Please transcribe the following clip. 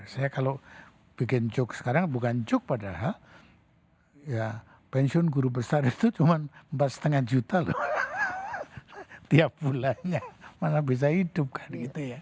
saya kalau bikin joke sekarang bukan joke padahal ya pensiun guru besar itu cuma empat lima juta loh tiap bulannya malah bisa hidup kan gitu ya